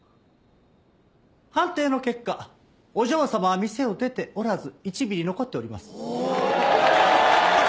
判定の結果お嬢様は店を出ておらず１ミリ残っております。